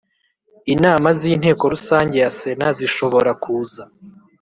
Inama z Inteko Rusange ya Sena zishobora kuza